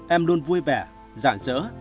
em luôn vui vẻ giản dỡ